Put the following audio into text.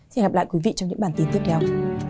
xin hẹn gặp lại quý vị trong những bản tin tiếp theo